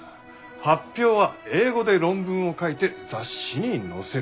発表は英語で論文を書いて雑誌に載せる。